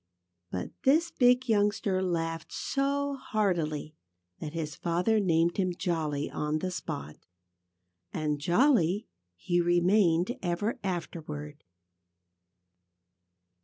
But this big youngster laughed so heartily that his father named him "Jolly," on the spot. And "Jolly" he remained ever afterward.